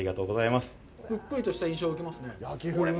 ぷっくりとした印象を受けますね。